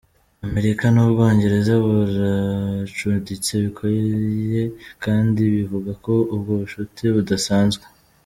Amerika n'Ubwongereza biracuditse bikoye kandi bivuga ko ubwo bucuti "budasanzwe".